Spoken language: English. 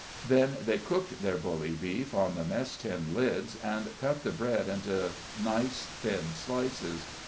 Then they cooked their bully beef on the mess tin lids and cut the bread into nice thin slices.